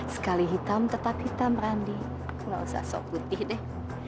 sekali hitam tetap hitam randi nggak usah sok putih deh